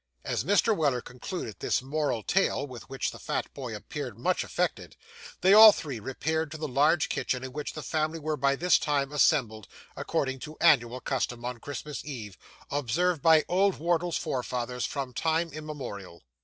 As Mr. Weller concluded this moral tale, with which the fat boy appeared much affected, they all three repaired to the large kitchen, in which the family were by this time assembled, according to annual custom on Christmas Eve, observed by old Wardle's forefathers from time immemorial.